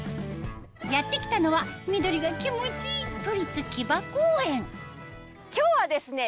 やって来たのは緑が気持ちいい今日はですね